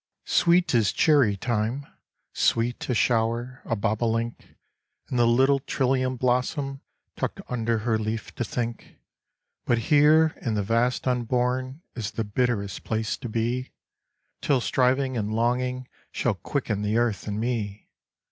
Sweet is cherry time, sweet A shower, a bobolink, And the little trillium blossom Tucked under her leaf to think; But here in the vast unborn Is the bitterest place to be, Till striving and longing Shall quicken the earth and me.